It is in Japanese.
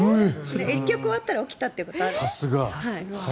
１曲終わったら起きたってことがあって。